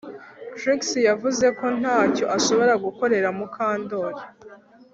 Trix yavuze ko ntacyo ashobora gukorera Mukandoli